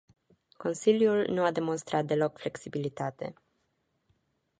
Consiliul nu a demostat deloc flexibilitate.